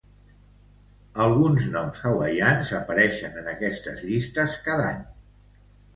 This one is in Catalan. Alguns noms hawaians apareixen en estes llistes cada any.